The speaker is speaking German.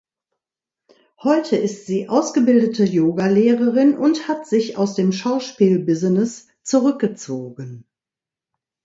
Heute ist sie ausgebildete Yoga-Lehrerin und hat sich aus dem Schauspiel-Business zurückgezogen.